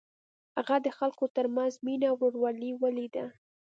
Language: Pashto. هغه د خلکو تر منځ مینه او ورورولي ولیده.